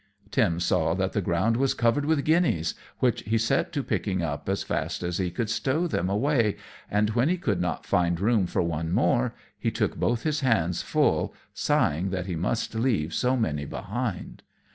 Tim saw that the ground was covered with guineas, which he set to picking up as fast as he could stow them away, and when he could not find room for one more, he took both his hands full, sighing that he must leave so many behind.